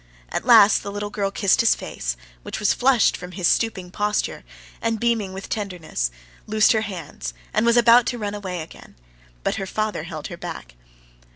At last the little girl kissed his face, which was flushed from his stooping posture and beaming with tenderness, loosed her hands, and was about to run away again; but her father held her back.